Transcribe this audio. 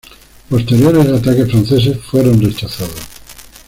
Posteriores ataques franceses fueron rechazados.